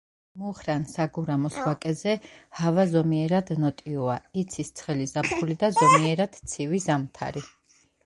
მუხრან-საგურამოს ვაკეზე ჰავა ზომიერად ნოტიოა, იცის ცხელი ზაფხული და ზომიერად ცივი ზამთარი.